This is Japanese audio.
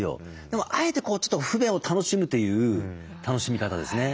でもあえて不便を楽しむという楽しみ方ですね。